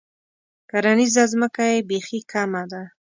کرنیزه ځمکه یې بیخي کمه ده.